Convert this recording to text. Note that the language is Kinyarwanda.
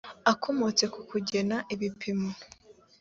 akomotse ku kugena ibipimo